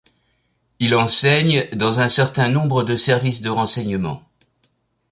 Il enseigne dans un certain nombre de services de renseignement.